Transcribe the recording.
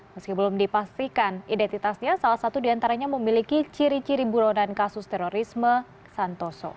meski belum dipastikan identitasnya salah satu diantaranya memiliki ciri ciri buronan kasus terorisme santoso